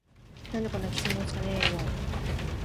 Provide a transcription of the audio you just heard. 「何でこんなキツいんすかねぇ～も～…」